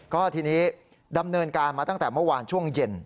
ก็ทีนี้ดำเนินการมาตั้งแต่เมื่อวานช่วงเย็น